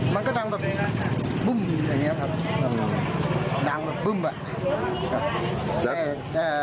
มันก็ดังแบบบุ้มอย่างนี้ครับดังแบบบุ้มแบบนี้ครับ